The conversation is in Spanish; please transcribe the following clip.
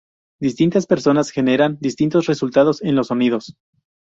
Distintas personas generarán distintos resultados en los sonidos.